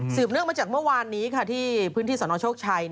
เนื่องมาจากเมื่อวานนี้ที่พื้นที่สนโชคชัย